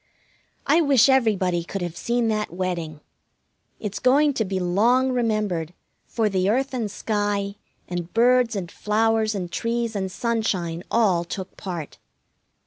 I wish everybody could have seen that wedding. It's going to be long remembered, for the earth and sky, and birds and flowers, and trees and sunshine all took part.